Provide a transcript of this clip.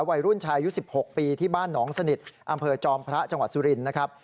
วัยรุ่นชายุ๑๖ปีที่บ้านหนองสนิทอำเภอจอมพระจังหวัดสุรินทร์นะครับ